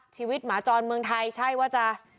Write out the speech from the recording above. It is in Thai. หมาจรเมืองไทยใช่ว่าจะ